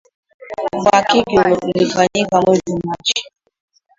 Uhakiki ulifanyika mwezi Machi